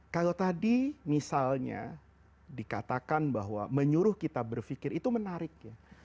kalau tadi misalnya dikatakan bahwa menyuruh kita berpikir itu menarik ya